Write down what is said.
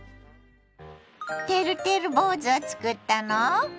てるてる坊主をつくったの？